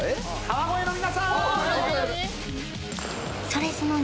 川越の皆さん！